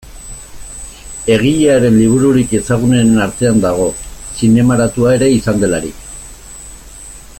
Egilearen libururik ezagunenen artean dago, zinemaratua ere izan delarik.